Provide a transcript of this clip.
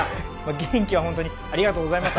元気はありがとうございます。